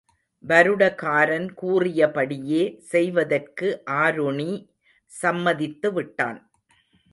வருடகாரன் கூறியபடியே செய்வதற்கு ஆருணி சம்மதித்துவிட்டான்.